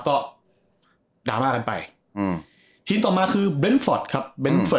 อืมนะครับก็กันไปอืมทีมต่อมาคือเต้นฟอสครับ